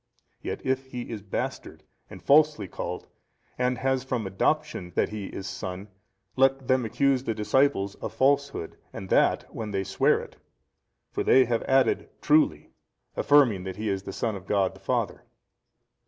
Yet if he is bastard and falsely called and has from adoption that he is son, let them accuse the disciples of falsehood, and that when they sware it. For they have added Truly, affirming that He is the Son of God the Father.